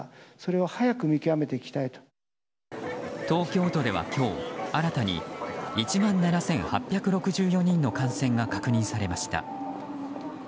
東京都では今日新たに１万７８６４人の感染が確認されました。